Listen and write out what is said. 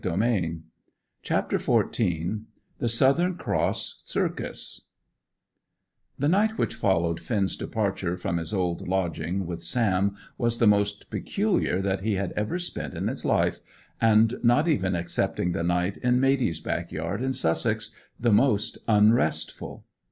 CHAPTER XIV THE SOUTHERN CROSS CIRCUS The night which followed Finn's departure from his old lodging with Sam was the most peculiar that he had ever spent in his life, and, not even excepting the night in Matey's back yard in Sussex, the most unrestful.